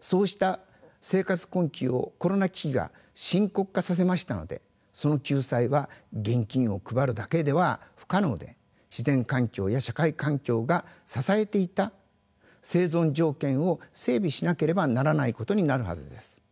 そうした生活困窮をコロナ危機が深刻化させましたのでその救済は現金を配るだけでは不可能で自然環境や社会環境が支えていた生存条件を整備しなければならないことになるはずです。